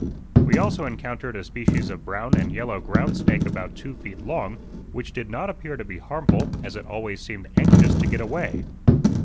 We also encountered a species of brown and yellow ground snake about two feet long, which did not appear to be harmful, as it always seemed anxious to get away.